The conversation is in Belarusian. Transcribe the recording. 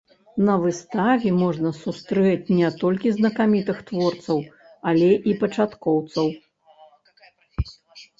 На выставе можна сустрэць не толькі знакамітых творцаў, але і пачаткоўцаў.